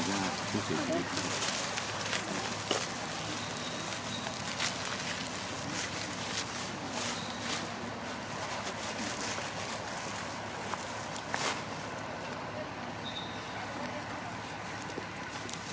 สวัสดีครับทุกคน